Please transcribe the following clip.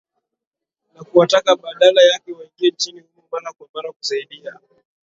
na kuwataka badala yake waingie nchini humo mara kwa mara kusaidia